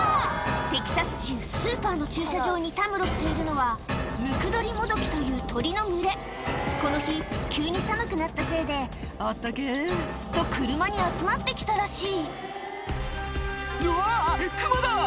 テキサス州スーパーの駐車場にたむろしているのはという鳥の群れこの日急に寒くなったせいで「温けぇ」と車に集まってきたらしい「うわクマだ！